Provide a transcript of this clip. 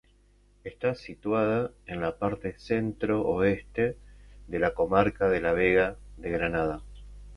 Está situada en la parte centro-oeste de la comarca de la Vega de Granada.